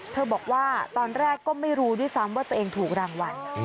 บอกว่าตอนแรกก็ไม่รู้ด้วยซ้ำว่าตัวเองถูกรางวัล